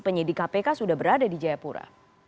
penyidik kpk sudah berada di jayapura